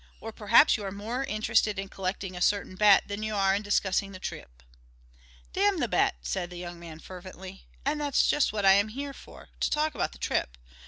Or perhaps you are more interested in collecting a certain bet than you are in discussing the trip." "Damn the bet!" said the young man fervently. "And that's just what I am here for to talk about the trip.